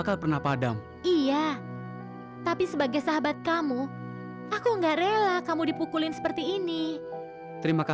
sampai jumpa di video selanjutnya